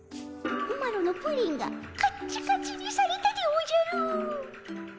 マロのプリンがカッチカチにされたでおじゃる。